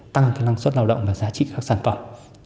tăng năng suất lao động và giá trị các sản phẩm